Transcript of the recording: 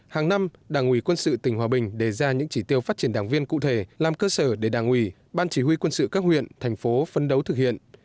hàng năm đảng ủy quân sự tỉnh hòa bình đề ra những chỉ tiêu phát triển đảng viên cụ thể làm cơ sở để đảng ủy ban chỉ huy quân sự các huyện thành phố phân đấu thực hiện